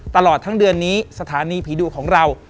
ตลอดทั้งเดือนนี้สถานีผีดุของเรา